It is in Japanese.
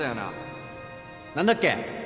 何だっけ？